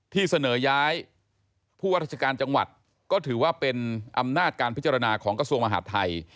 ที่เสนอย้ายผู้ว่าราชการจังหวัดก็ถือว่าเป็นอำนาจการพิจารณาของกระทรวงมหาดไทย